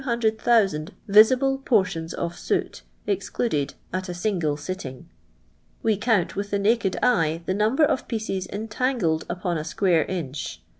000 visible portions of soot excluded at a single sitting. We count with the naked eye the number of pieces entangled upon a square inch.